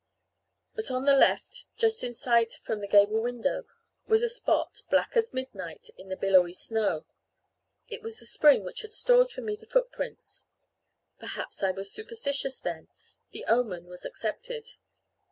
But on the left, just in sight from the gable window, was a spot, black as midnight, in the billowy snow. It was the spring which had stored for me the footprints. Perhaps I was superstitious then; the omen was accepted.